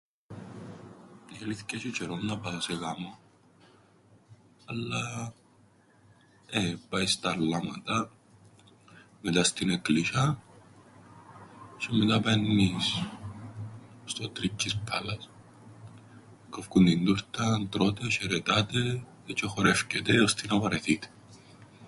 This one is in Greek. "Η αλήθκεια έσ̆ει τζ̆αιρόν να πάω σε γάμον, αλλά, ε, πάεις στα αλλάματα, μετά στην εκκλησ̆ιάν, τζ̆αι μετά πααίννεις στο ""Trikkis Palace"", κόφκουν την τούρταν, τρώτε, σ̆αιρετάτε τζ̆αι χορεύκετε ώστι να βαρεθείτε."